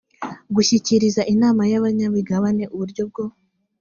gushyikiriza inama y abanyamigabane uburyo bwo